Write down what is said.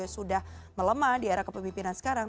sudah melemah di era kepemimpinan sekarang